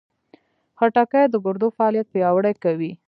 خټکی د ګردو فعالیت پیاوړی کوي.